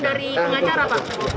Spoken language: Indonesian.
dari pengacara pak